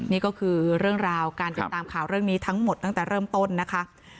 นี่ก็คือเรื่องราวการติดตามข่าวเรื่องนี้ทั้งหมดตั้งแต่เริ่มต้นนะคะ